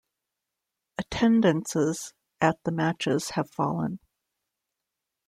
Attendances at the matches have fallen.